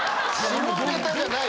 下ネタじゃない。